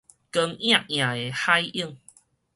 光焱焱的海湧